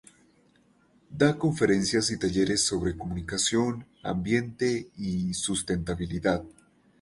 Da conferencias y talleres sobre comunicación, ambiente y sustentabilidad.